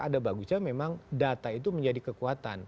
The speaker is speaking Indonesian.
ada bagusnya memang data itu menjadi kekuatan